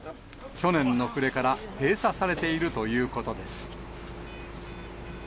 去年の暮れから閉鎖されているということです。